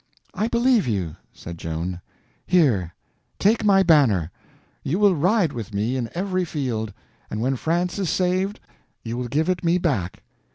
"I believe you," said Joan. "Here—take my banner. You will ride with me in every field, and when France is saved, you will give it me back."